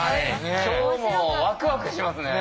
今日もワクワクしますね。